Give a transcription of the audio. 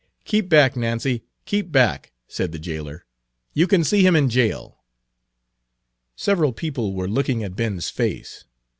"Keep back, Nancy, keep back," said the jailer. "You can see him in jail." Several people were looking at Ben's face.